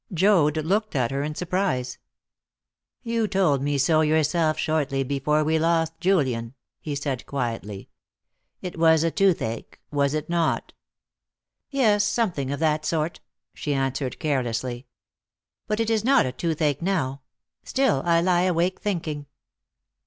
Joad looked at her in surprise. "You told me so yourself shortly before we lost Julian," he said quietly. "It was toothache, was it not?" "Yes something of that sort," she answered carelessly. "But it is not toothache now. Still, I lie awake thinking."